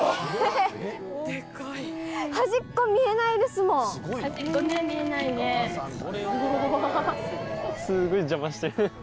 すごい邪魔してる。